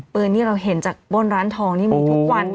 ที่เราเห็นจากบนร้านทองนี่มีทุกวัน